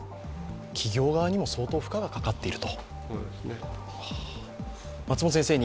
企業側にも、相当負荷がかかっていると。